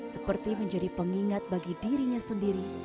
seperti menjadi pengingat bagi dirinya sendiri